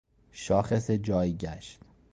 شاخص جایگشت